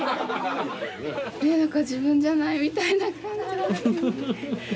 何か自分じゃないみたいな感じ。